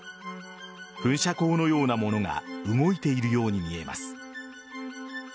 噴射口のようなものが動いているように見えます。